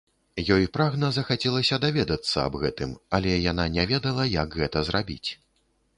Ёй прагна захацелася даведацца аб гэтым, але яна не ведала, як гэта зрабіць.